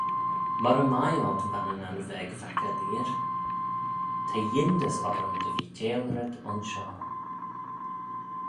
Moghrey mie ort, Vannanan veg vac y Leirr, ta yindys orrym dy veeteil rhyts aynshoh.